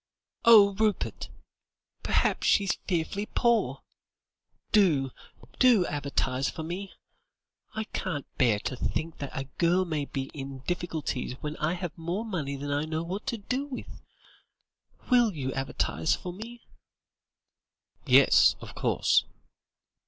"Oh, Rupert! perhaps she's fearfully poor. Do, do advertise for me. I can't bear to think that a girl may be in difficulties when I have more money than I know what to do with. Will you advertise for me?" "Yes; of course."